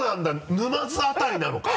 沼津辺りなのか？